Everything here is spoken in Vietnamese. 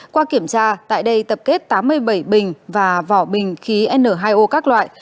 qua kiểm tra tại đây tập kết tám mươi bảy bình và vỏ bình khí n hai o các loại